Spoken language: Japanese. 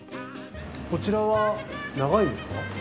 こちらは長いですか？